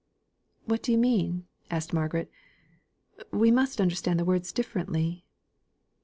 "What do you mean?" asked Margaret. "We must understand the words differently."